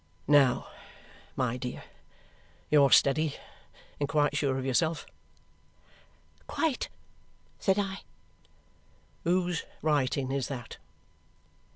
"Now my dear, you're steady and quite sure of yourself?" "Quite," said I. "Whose writing is that?"